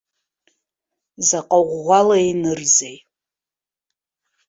Заҟа ӷәӷәала инырзеи.